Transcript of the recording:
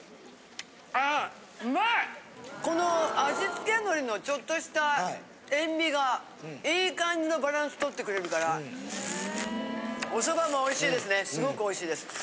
この味付けのりのちょっとした塩味がいい感じのバランスとってくれるからおそばもおいしいですね。